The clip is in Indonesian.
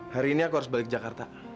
hari ini aku harus balik jakarta